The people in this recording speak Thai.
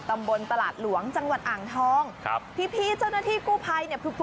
ตำบลตลาดหลวงจังหวัดอ่างทองครับพี่พี่เจ้าหน้าที่กู้ภัยเนี่ยคือ